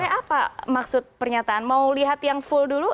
gak usah full